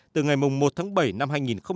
từ ngày một tháng bảy năm hai nghìn một mươi bảy